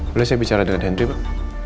boleh saya bicara dengan henti pak